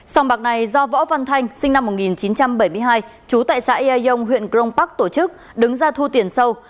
sòng bạc này do võ văn thanh sinh năm một nghìn chín trăm bảy mươi hai trú tại xã yaiông huyện crong park tổ chức đứng ra thu tiền sâu